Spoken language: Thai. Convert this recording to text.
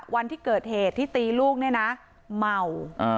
วันที่เกิดเหตุที่ตีลูกเนี่ยนะเมา